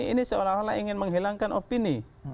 ini seolah olah ingin menghilangkan opini